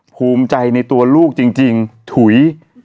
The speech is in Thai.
ภูมิใจในตัวลูกจริงถุย